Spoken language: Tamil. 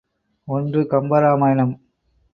ஒன்று கம்ப ராமாயணம்.